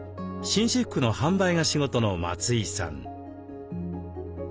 紳士服の販売が仕事の松井さん。